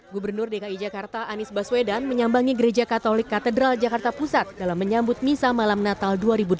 gubernur dki jakarta anies baswedan menyambangi gereja katolik katedral jakarta pusat dalam menyambut misa malam natal dua ribu delapan belas